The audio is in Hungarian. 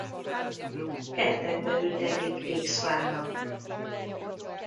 Kertekbe ültetik díszfának.